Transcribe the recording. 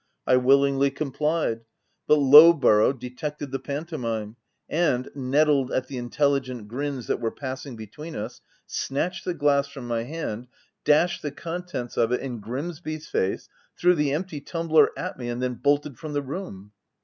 I willingly com plied ; but Lowborough detected the panto mime, and, nettled at the intelligent grins that were passing between us, snatched the glass from my hand, dashea the. contents of it in Grimsby's face, threw the empty tumbler at me, and then bolted from the room."